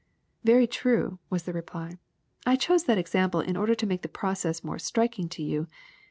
''< i Very true, '' was the reply. *^ I chose that exam ple in order to make the process more striking to you.